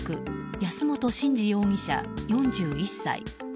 安本新次容疑者、４１歳。